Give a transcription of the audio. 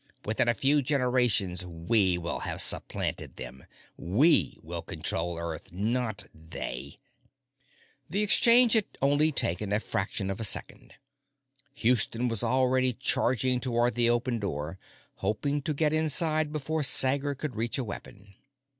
Within a few generations, we will have supplanted them. We will control Earth not they. The exchange had only taken a fraction of a second. Houston was already charging toward the open door, hoping to get inside before Sager could reach a weapon.